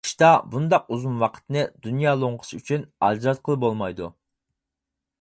قىشتا بۇنداق ئۇزۇن ۋاقىتنى دۇنيا لوڭقىسى ئۈچۈن ئاجراتقىلى بولمايدۇ.